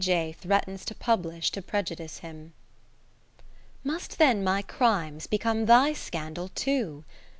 J. threatens to pubHsh to prejudice him Must then my crimes become thy scandal too